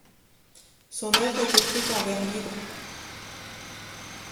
Son œuvre est écrite en vers libre.